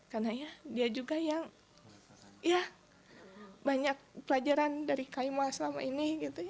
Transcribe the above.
karena dia juga yang banyak pelajaran dari kaima selama ini